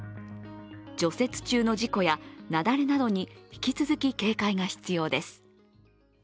除雪中の事故や、なだれなどに引き続き警戒が必要です。